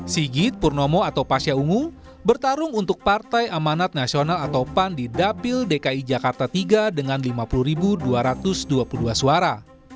sigit purnomo atau pasha ungu bertarung untuk partai amanat nasional atau pan di dapil dki jakarta tiga dengan lima puluh dua ratus dua puluh dua suara